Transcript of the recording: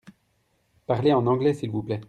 Parlez en anglais s'il vous plait.